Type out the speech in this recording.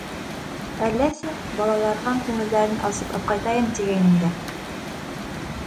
— Әлләсе, балаларҙың күңелдәрен асып апҡайтайым тигәйнем дә...